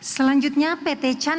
selanjutnya pt chandra asri petrochemical